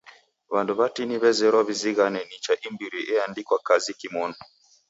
W'andu watini w'azerelo w'izighane nicha imbiri eandikwa kazi kimonu.